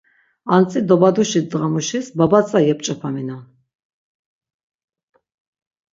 Antzi dobaduşi ndğamuşis babatza yep̆ç̆opaminon.